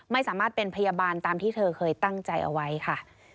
ไม่สามารถเป็นพยาบาลตามที่เธอเคยตั้งใจเอาไว้ค่ะ